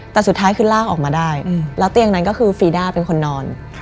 แต่สุดท้ายคือลากออกมาได้แล้วเตียงนั้นก็คือฟีด้าเป็นคนนอน